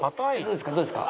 どうですか？